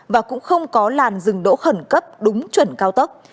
và cũng không có làn dừng đỗ khẩn cấp đúng chuẩn cao tốc